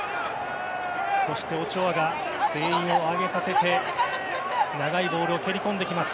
そしてオチョアが全員を上げさせて長いボールを蹴り込んできます。